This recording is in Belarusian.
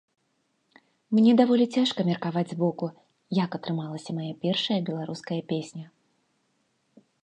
Мне даволі цяжка меркаваць збоку, як атрымалася мая першая беларуская песня.